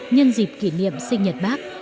nhân dịp kỷ niệm sinh nhật bác